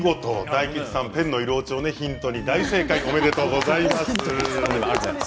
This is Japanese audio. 大吉さん、ペンの色落ちをヒントに大正解おめでとうございます。